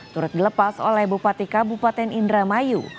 turut dilepas oleh bupati kabupaten indramayu